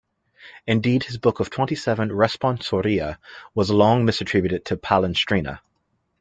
Indeed, his book of twenty-seven "Responsoria" was long misattributed to Palestrina.